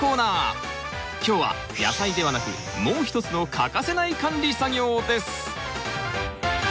今日は野菜ではなくもう一つの欠かせない管理作業です。